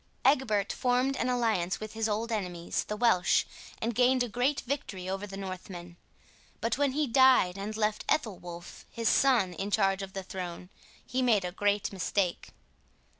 Egbert formed an alliance with his old enemies, the Welsh, and gained a great victory over the Northmen; but when he died and left Ethelwolf, his son, in charge of the throne, he made a great mistake.